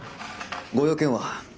ご用件は？